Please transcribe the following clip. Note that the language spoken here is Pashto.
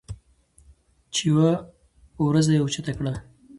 چې يوه وروځه یې اوچته کړه